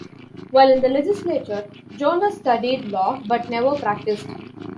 While in the legislature, Jones studied law, but never practiced.